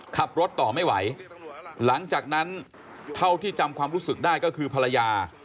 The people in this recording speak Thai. ขับรถต่อไม่ไหวหลังจากนั้นเท่าที่จำความรู้สึกได้ก็คือภรรยา